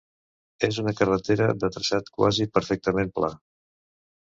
És una carretera de traçat quasi perfectament pla.